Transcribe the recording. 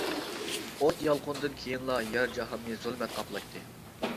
ئوت يالقۇنىدىن كېيىنلا يەر-جاھاننى زۇلمەت قاپلايتتى.